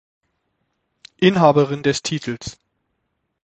Inhaberin des Titels.